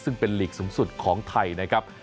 ซึ่งเป็นหลีกสูงสุดของไทยนะครับ